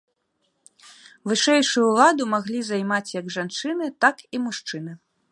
Вышэйшую ўладу маглі займаць як жанчыны, так і мужчыны.